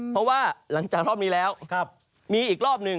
เพราะว่าหลังจากรอบนี้แล้วมีอีกรอบหนึ่ง